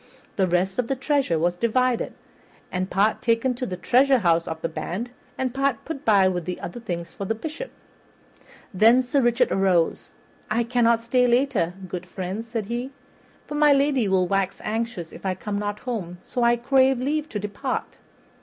The rest of the treasure was divided, and part taken to the treasurehouse of the band, and part put by with the other things for the Bishop. Then Sir Richard arose. "I cannot stay later, good friends," said he, "for my lady will wax anxious if I come not home; so I crave leave to depart."